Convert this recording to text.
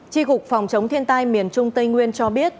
tri cục phòng chống thiên tai miền trung tây nguyên cho biết